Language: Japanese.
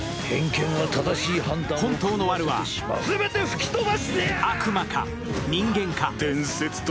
本当のワルは、悪魔か、人間か。